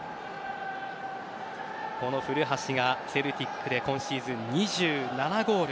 この古橋がセルティックで今シーズン２７ゴール。